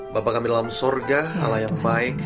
bapak kami dalam sorga ala yang baik